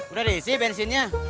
udah diisi bensinnya